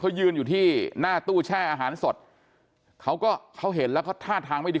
เขายืนอยู่ที่หน้าตู้แช่อาหารสดเขาก็เขาเห็นแล้วก็ท่าทางไม่ดี